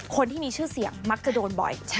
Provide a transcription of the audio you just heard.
คนที่มีชื่อเสียงมักจะโดนบ่อย